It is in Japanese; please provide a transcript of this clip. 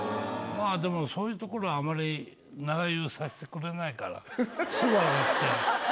まあでも、そういうところはあまり長湯させてくれないから。